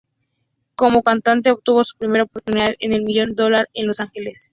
Como cantante obtuvo su primera oportunidad en el Million Dollar, en Los Ángeles.